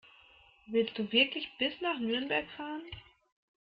Willst du wirklich bis nach Nürnberg fahren?